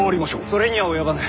それには及ばぬ。